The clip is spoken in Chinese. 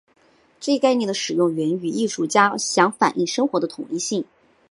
这一概念的使用源于艺术家想反映生活的统一性。